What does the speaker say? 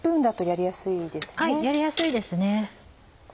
やりやすいですね。